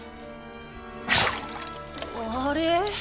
あれ？